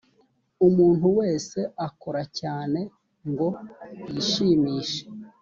umuntu wese akora cyane ngoyishimishe.